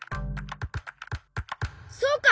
そうか！